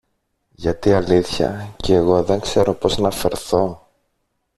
γιατί αλήθεια κι εγώ δεν ξέρω πώς να φερθώ!